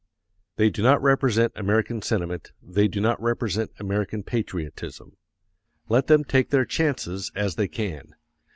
They do not represent American sentiment; they do not represent American patriotism. Let them take their chances as they can.